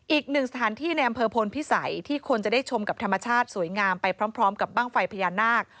อีกหนึ่งสถานที่ในอำเภอพลพิสัยที่คนจะได้ชมกับธรรมชาติสวยงามไปพร้อมกับบ้างไฟพญานาค